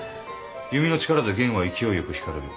弓の力で弦は勢いよく引かれる。